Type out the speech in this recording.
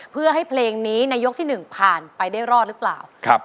เพื่อให้เพลงนี้ในยกที่๑ผ่านไปได้รอดหรือเปล่า